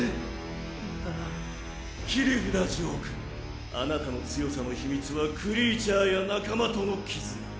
切札ジョーくんあなたの強さの秘密はクリーチャーや仲間との絆。